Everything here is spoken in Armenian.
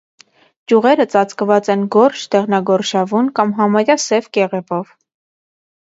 Ճյուղերը ծածկված են գորշ, դեղնագորշավուն կամ համարյա սև կեղևով։